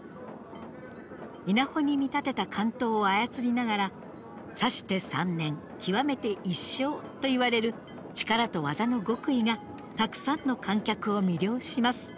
稲穂に見立てた竿燈を操りながらと言われる力と技の極意がたくさんの観客を魅了します。